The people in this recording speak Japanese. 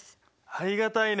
ありがたいね